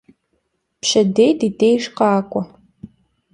Pşedêy di dêjj khak'ue.